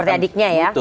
seperti adiknya ya